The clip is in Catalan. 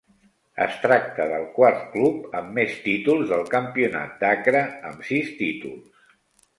Es tracta del quart club amb més títols del Campionat d'Acre amb sis títols.